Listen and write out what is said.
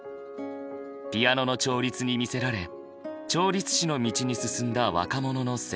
ピアノの調律に魅せられ調律師の道に進んだ若者の成長物語。